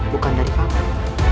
bukan dari paman